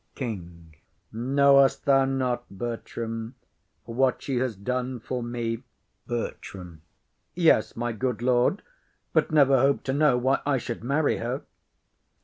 KING. Know'st thou not, Bertram, What she has done for me? BERTRAM. Yes, my good lord, But never hope to know why I should marry her.